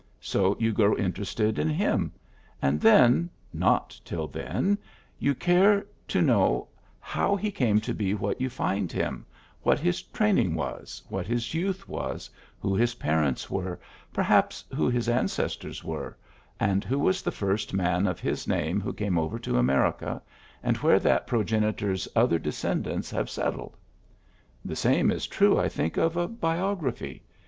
So you grow interested in him ; and then, not till then, you care to know how he 2 PHILLIPS BEOOKS came to be what you find Mm, what his training was, what his youth was, who his parents were, perhaps who his an cestors were, and who was the first man of his name who came over to America, and where that progenitor's other de scendants have settled. The same is true, I think, of a biography.